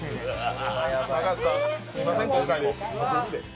高橋さん、すいません、今回も。